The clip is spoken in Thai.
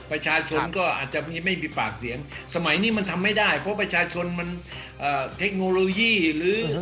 ประชาชนก็อาจจะไม่มีปากเสียงสมัยนี้มันทำไม่ได้เพราะประชาชนมันเทคโนโลยีหรือ